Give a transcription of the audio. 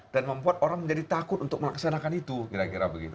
dan membuat orang menjadi takut untuk melaksanakan itu kira kira begitu